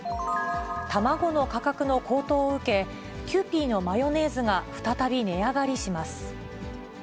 卵の価格の高騰を受け、キユーピーのマヨネーズが再び値上がりします。